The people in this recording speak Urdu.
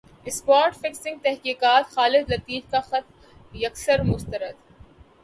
اسپاٹ فکسنگ تحقیقات خالد لطیف کا خط یکسر مسترد